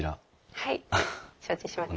はい承知しました。